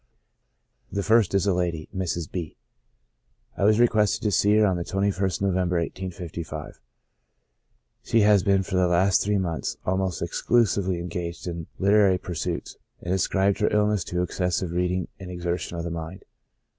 The first is a lady (Mrs. B —). I was re quested to see her on the 21st of November, 1855. She had been for the last three months almost exclusively en gaged in literary pursuits, and ascribed her illness to exces sive reading and exertion of the mind.